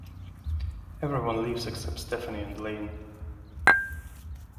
Everyone leaves except Stephanie and Lane.